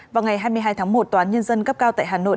vào ngày hai mươi hai tháng một toán nhân dân cấp cao tại hà nội